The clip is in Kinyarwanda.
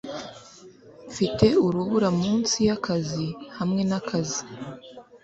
mfite urubura munsi yakazi hamwe nakazi